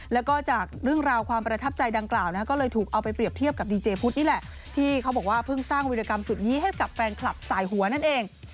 แล้วก็จากเรื่องราวความประทับใจดังกล่าวก็เลยถูกเอาไปเปรียบเทียบกับดีเจพุทธนี่แหละที่เขาบอกว่าเพิ่งสร้างวิรกรรมสุดนี้ให้กับแฟนคลับสายหัวนั่นเอง